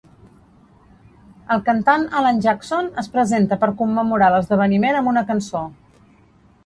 El cantant Alan Jackson es presenta per commemorar l'esdeveniment amb una cançó.